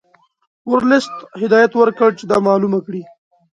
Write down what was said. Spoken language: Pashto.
ورلسټ هدایت ورکړ چې دا معلومه کړي.